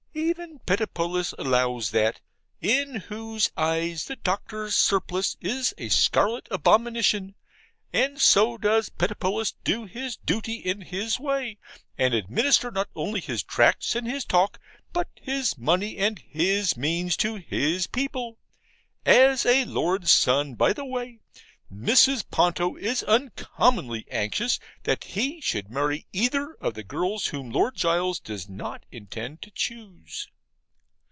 Even Pettipois allows that, in whose eyes the Doctor's surplice is a scarlet abomination; and so does Pettipois do his duty in his way, and administer not only his tracts and his talk, but his money and his means to his people. As a lord's son, by the way, Mrs. Ponto is uncommonly anxious that he should marry EITHER of the girls whom Lord Gules does not intend to choose.